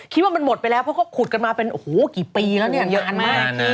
คิดว่ามันหมดไปแล้วเพราะเขาขุดกันมาเป็นโอ้โหกี่ปีแล้วเนี่ยนานมาก